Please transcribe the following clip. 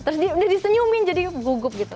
terus dia udah disenyumin jadi gugup gitu